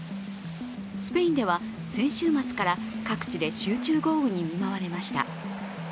スペインでは先週末から各地で集中豪雨に見舞われました。